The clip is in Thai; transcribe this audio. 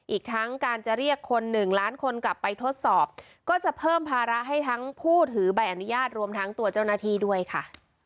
อีกทั้งการจะเรียกคนหนึ่งล้านคนกลับไปทดสอบก็จะเพิ่มภาระให้ทั้งผู้ถือใบอนุญาตรวมทั้งตัวเจ้าหน้าที่ด้วยค่ะ